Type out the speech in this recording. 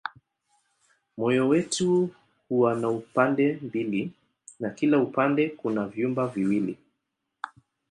Moyo wetu huwa na pande mbili na kila upande kuna vyumba viwili.